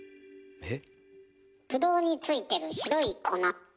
えっ？